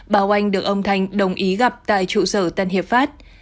bà oanh được ông thanh đồng ý gặp tại trụ sở tân hiệp pháp